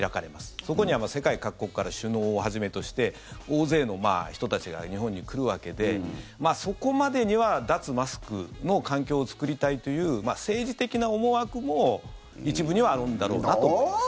そこには世界各国から首脳をはじめとして大勢の人たちが日本に来るわけでそこまでには脱マスクの環境を作りたいという政治的な思惑も、一部にはあるんだろうなと思います。